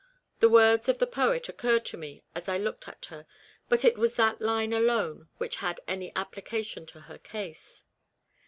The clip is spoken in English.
The words of the poet occurred to me as I looked at her, but it was that line alone which had any application to her case.